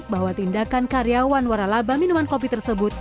bahwa tindakan karyawan waralaba minuman kopi tersebut